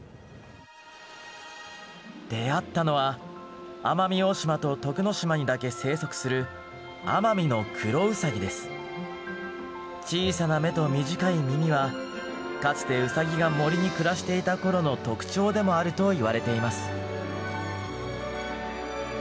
出会ったのは奄美大島と徳之島にだけ生息する小さな目と短い耳はかつてウサギが森に暮らしていた頃の特徴でもあるといわれています。